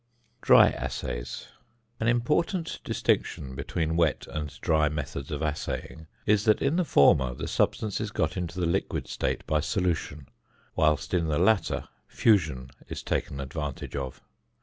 ~Dry Assays.~ An important distinction between wet and dry methods of assaying is, that in the former the substance is got into the liquid state by solution, whilst in the latter fusion is taken advantage of.